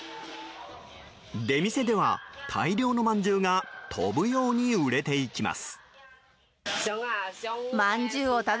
出店では大量のまんじゅうが飛ぶように売れていきます。